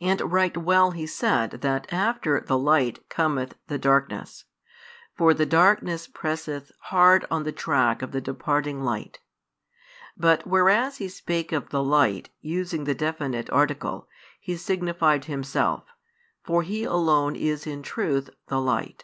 And right well He said that after the Light cometh the darkness. For the darkness presseth hard on the track of the departing light. But whereas He spake of "the Light," using the definite article, He signified Himself, for He alone is in truth The Light.